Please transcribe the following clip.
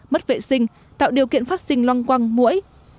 mất vệ sinh tạo điều kiện phát sinh lăng quăng mũi